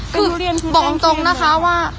ก็ก็บอกจังงั้นนะคะว่า